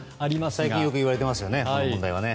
最近よくいわれていますね。